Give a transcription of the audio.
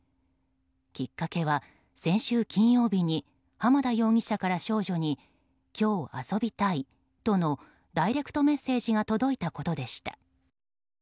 きっかけは先週金曜日に浜田容疑者から少女に、今日遊びたいとのダイレクトメッセージが届いたことでした。